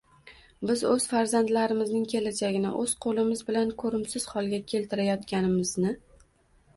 biz o‘z farzandlarimizning kelajagini o‘z qo‘limiz bilan ko‘rimsiz holga keltirayotganimizni